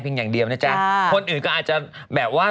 อย่างเดียวนะจ๊ะคนอื่นก็อาจจะแบบว่า